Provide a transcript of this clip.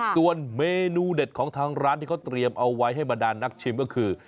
ส่วนเมนูเด็ดของทางร้านที่เขาเตรียมเอาไว้ให้บรรดานนักชิมก็คือ